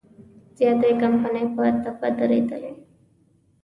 زیاتې کمپنۍ په ټپه درېدلي.